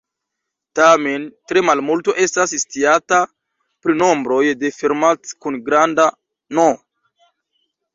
Tamen, tre malmulto estas sciata pri nombroj de Fermat kun granda "n".